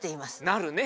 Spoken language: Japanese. なるね。